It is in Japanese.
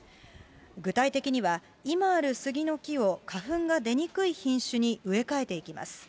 具体的には、今あるスギの木を花粉が出にくい品種に植え替えていきます。